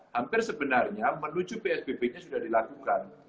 hampir sebenarnya menuju psbb nya sudah dilakukan